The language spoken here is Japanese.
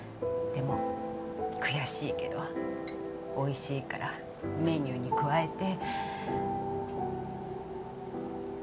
でも悔しいけどおいしいからメニューに加えて。